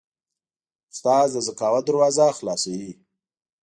استاد د ذکاوت دروازه خلاصوي.